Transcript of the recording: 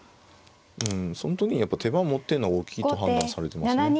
うんその時にやっぱ手番持ってんのが大きいと判断されてますね。